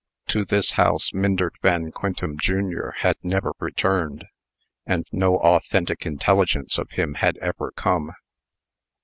To this house, Myndert Van Quintem, jr., had never returned; and no authentic intelligence of him had ever come.